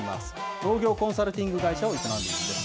農業コンサルティング会社を営んでいます。